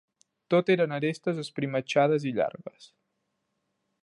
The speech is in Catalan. Tot eren arestes esprimatxades i llargues